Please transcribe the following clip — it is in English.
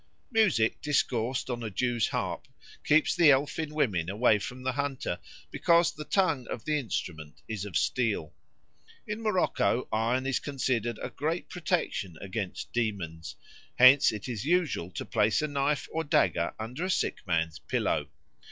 Music discoursed on a Jew's harp keeps the elfin women away from the hunter, because the tongue of the instrument is of steel. In Morocco iron is considered a great protection against demons; hence it is usual to place a knife or dagger under a sick man's pillow.